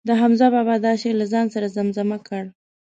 د حمزه بابا دا شعر له ځان سره زمزمه کړ.